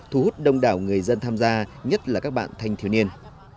thu hút đông đảo người dân tham gia nhất là các bạn thanh thiếu niên